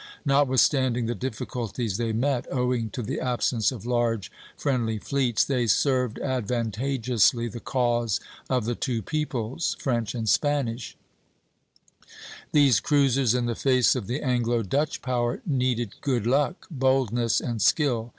Notwithstanding the difficulties they met, owing to the absence of large friendly fleets, they served advantageously the cause of the two peoples [French and Spanish]. These cruisers, in the face of the Anglo Dutch power, needed good luck, boldness, and skill.